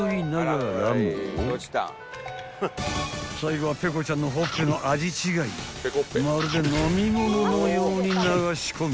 ［最後はペコちゃんのほっぺの味違いをまるで飲み物のように流し込み］